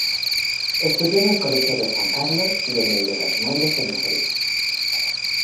Estudió en el Colegio de San Carlos y en el de Nobles, de Madrid.